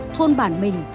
thôn bản mình